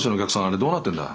あれどうなってんだ？